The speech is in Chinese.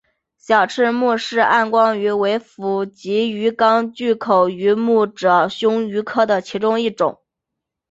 小翅穆氏暗光鱼为辐鳍鱼纲巨口鱼目褶胸鱼科的其中一种。